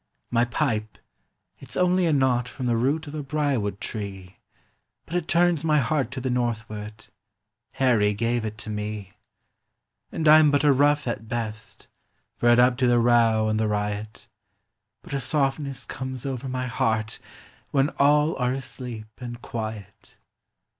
My pipe, it \s only a knot from the root of a brier wood tree, But it turns my heart to the Northward— Hai gave it to me. 318 * POEMS OF SENTIMENT. And I 'm but a rough at best, .bred up to the row and the riot ; But a softness comes over my heart, when all are asleep and quiet.